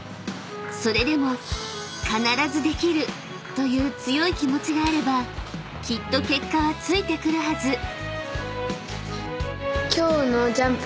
［それでも必ずできるという強い気持ちがあればきっと結果はついてくるはず］